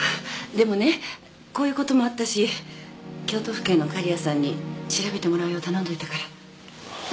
でもねこういうこともあったし京都府警の狩矢さんに調べてもらうよう頼んどいたから。